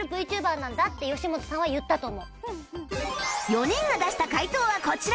４人が出した解答はこちら